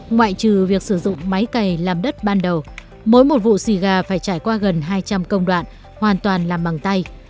ngoại trừ việc sử dụng máy cày làm đất ban đầu mỗi một vụ xì gà phải trải qua gần hai trăm linh công đoạn hoàn toàn làm bằng tay